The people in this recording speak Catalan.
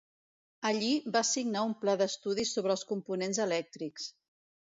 Allí va signar un pla d'estudis sobre els components elèctrics.